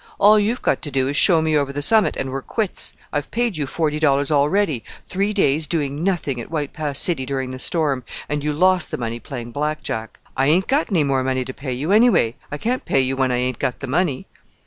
All you've got to do is show me over the summit, and we're quits. I've paid you forty dollars already: three days doing nothing at White Pass City during the storm; and you lost the money playing Black Jack. I ain't got any more money to pay you, anyway. I can't pay you when I ain't got the money."